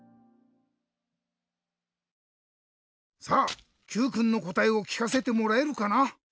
さあＱくんのこたえをきかせてもらえるかな？